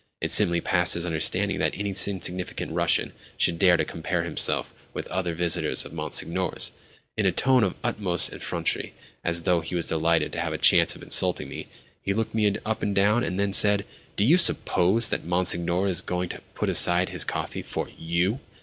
It simply passed his understanding that any insignificant Russian should dare to compare himself with other visitors of Monsignor's! In a tone of the utmost effrontery, as though he were delighted to have a chance of insulting me, he looked me up and down, and then said: "Do you suppose that Monsignor is going to put aside his coffee for _you?